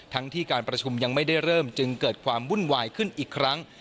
ทั้งที่การประชุมยังไม่ได้เริ่มจึงเกิดความวุ่นวายขึ้นอีกครั้ง